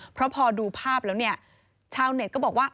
เพราะพอดูภาพแล้วเนี่ยชาวเน็ตก็บอกว่า